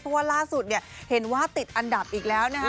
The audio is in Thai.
เพราะว่าล่าสุดเนี่ยเห็นว่าติดอันดับอีกแล้วนะฮะ